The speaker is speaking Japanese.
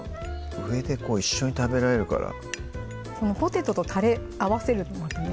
うん一緒に食べられるからこのポテトとたれ合わせるのがね